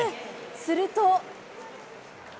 すると。